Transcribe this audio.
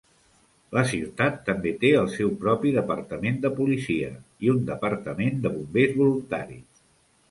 La ciutat també té el seu propi Departament de policia i un Departament de bombers voluntaris.